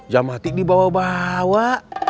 jam mati dibawa bawa